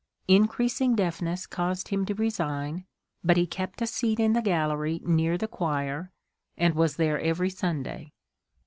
Increasing deafness caused him to resign, but he kept a seat in the gallery near the choir, and was there every Sunday.